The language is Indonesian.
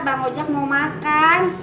bang ojak mau makan